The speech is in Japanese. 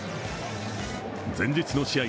前日の試合